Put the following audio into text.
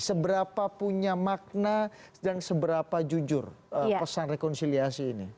seberapa punya makna dan seberapa jujur pesan rekonsiliasi ini